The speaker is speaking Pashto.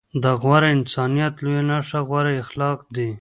د غوره انسانيت لويه نښه غوره اخلاق دي.